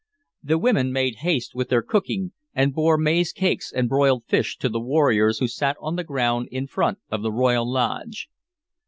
The women made haste with their cooking, and bore maize cakes and broiled fish to the warriors who sat on the ground in front of the royal lodge.